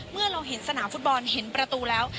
เมื่อเราเห็นสนามฟุตบอลเห็นประตูแล้ว